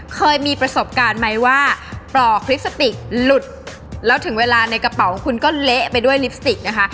เคยมีประสบการณ์ไหมว่าปลอกพลิสติกหลุดแล้วถึงเวลาในกระเป๋าคุณก็เละไปด้วยลิปสติกนะคะ